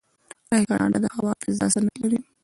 آیا کاناډا د هوا فضا صنعت نلري؟